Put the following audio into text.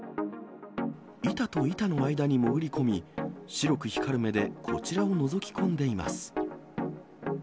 板と板の間に潜り込み、白く光る目でこちらをのぞき込んでいます。